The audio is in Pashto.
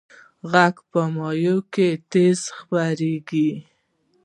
غږ په مایع کې تیز خپرېږي.